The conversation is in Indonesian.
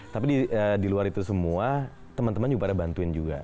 tapi di luar itu semua teman teman juga pada bantuin juga